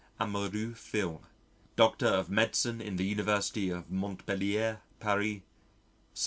Amoureux Fils, Doctor of Medicine in the University of Montpellier, Paris, 1789.)